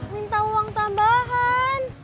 minta uang tambahan